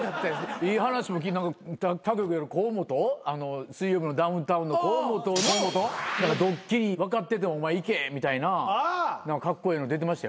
いい話も他局やけど河本『水曜日のダウンタウン』の河本のドッキリ分かっててもお前行けみたいなカッコエエの出てましたよ。